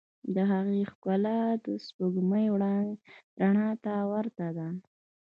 د هغې ښکلا د سپوږمۍ رڼا ته ورته ده.